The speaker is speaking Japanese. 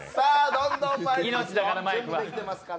どんどんまいりますよ。